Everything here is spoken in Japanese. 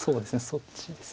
そっちです。